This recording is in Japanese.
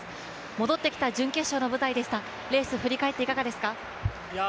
戻ってきた準決勝の舞台でした、レース振り返って、いかがですか。